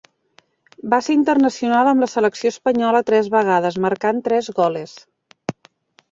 Va ser internacional amb la selecció espanyola tres vegades marcant tres goles.